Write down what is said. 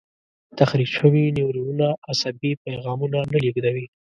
تخریب شوي نیورونونه عصبي پیغامونه نه لېږدوي.